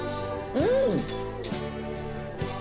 うん！